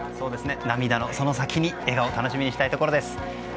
涙のその先に笑顔楽しみにしたいところです。